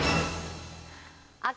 あっ。